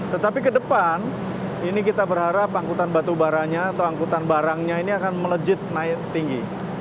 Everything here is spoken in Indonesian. tetapi ke depan ini kita berharap angkutan batu baranya atau angkutan barangnya ini akan melejit naik tinggi